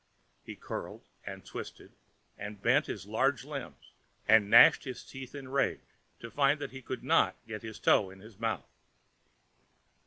He curled and twisted, and bent his large limbs, and gnashed his teeth in rage to find that he could not get his toe to his mouth.